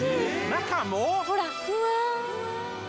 中も！？